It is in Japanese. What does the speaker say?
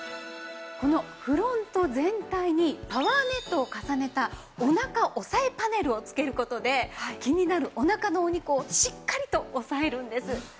このフロント全体にパワーネットを重ねたお腹押さえパネルをつける事で気になるお腹のお肉をしっかりと押さえるんです。